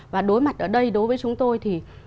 và đối mặt ở đây đối với chúng tôi thì